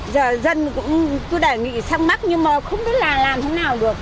giờ dân cũng cứ để nghĩ sang mắt nhưng mà không biết là làm thế nào được